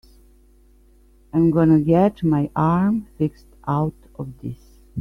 I'm gonna get my arm fixed out of this.